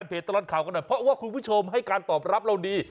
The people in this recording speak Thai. ตลอดข่าวกันหน่อยเพราะว่าคุณผู้ชมให้การตอบรับเราดี